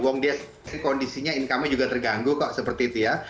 wong dia kondisinya income nya juga terganggu kok seperti itu ya